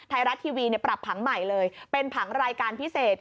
ไทยรัฐทีวีปรับผังใหม่เลยเป็นผังรายการพิเศษ